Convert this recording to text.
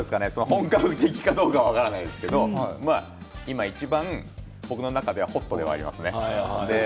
本格的かどうかは分からないですけど今いちばん僕の中ではホットではありますね。